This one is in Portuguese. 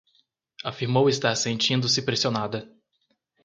Afirmou estar sentindo-se pressionada